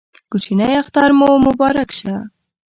کوچینۍ اختر مو مبارک شه